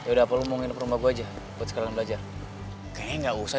udah perlu nginep rumah gue aja buat sekolah belajar kayaknya enggak usah